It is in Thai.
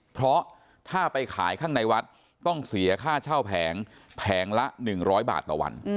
เพราะถ้าไปขายข้างในวัดต้องเสียค่าเช่าแผงแผงละ๑๐๐บาทต่อวัน